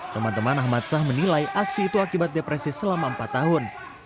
teman teman ahmad sah menilai aksi itu akibat depresi selama empat tahun